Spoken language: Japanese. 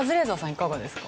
いかがですか？